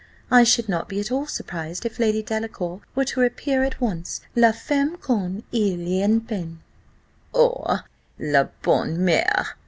I should not be at all surprised, if Lady Delacour were to appear at once la femme comme il y en a pen." "Or la bonne mère?"